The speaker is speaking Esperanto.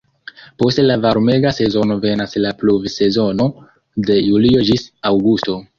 Post la varmega sezono venas la "pluvsezono" de julio ĝis aŭgusto.